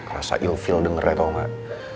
rasa ilfil dengernya tau gak